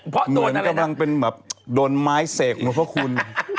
เหมือนกำลังเป็นแบบโดนไม้เสกเหมือนพระคุณ